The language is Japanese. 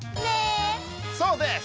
そうです！